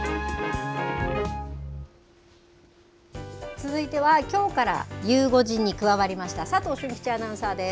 続いては、きょうからゆう５時に加わりました佐藤俊吉アナウンサーです。